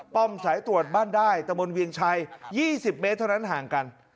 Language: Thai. ป้อมสายตรวจบ้านใดกระบวนเวียงชัย๒๐เมซิมิเตอร์หนึ่งที่ต่างกัน